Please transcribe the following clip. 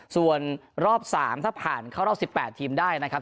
ส่วนรอบสามถ้าผ่านเข้ารอบสิบแปดทีมได้นะครับ